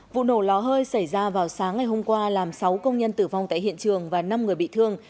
vụ nổ ló hơi xảy ra vào sáng ngày hôm qua làm sáu công nhân tử vong tại hiện trường và năm người bị thương